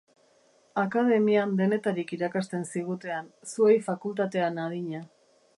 Akademian denetarik irakasten zigutean, zuei fakultatean adina.